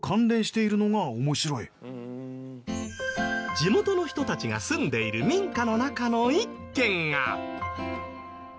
地元の人たちが住んでいる民家の中の一軒が。